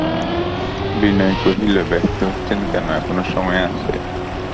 বিনয় কহিল, ব্যস্ত হচ্ছেন কেন– এখনো সময় আছে।